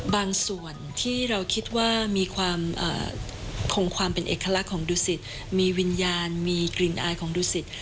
ส่วนที่เราคิดว่ามีความคงความเป็นเอกลักษณ์ของดุสิตมีวิญญาณมีกลิ่นอายของดูสิต